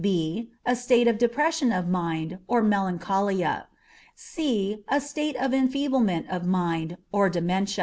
b. A state of depression of mind, or melancholia. c. A state of enfeeblement of mind, or dementia.